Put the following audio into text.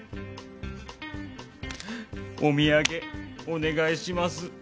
お土産お願いします。